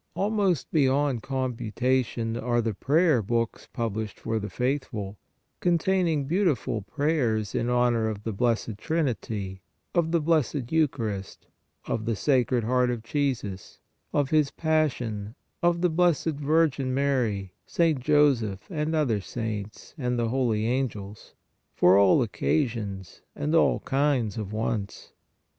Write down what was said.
Almost beyond computation are the prayer books published for the faithful, con taining beautiful prayers in honor of the Blessed Trinity, of the Blessed Eucharist, of the Sacred Heart of Jesus, of His Passion, of the Blessed Vir 150 VOCAL PRAYER 151 gin Mary, St. Joseph and other saints and the holy angels, for all occasions and all kinds of wants.